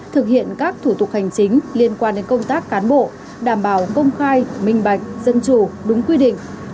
thực hiện các thủ tục hành chính liên quan đến công tác cán bộ đảm bảo công khai minh bạch dân chủ đúng quy định